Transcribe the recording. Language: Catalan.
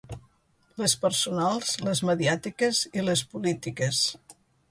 Les personals, les mediàtiques i les polítiques.